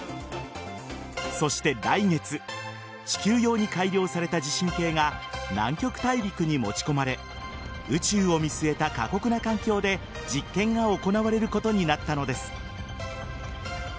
そして、来月地球用に改良された地震計が南極大陸に持ち込まれ宇宙を見据えた過酷な環境で実験が行われることになったのです。